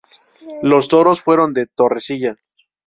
Los toros fueron de Torrecilla.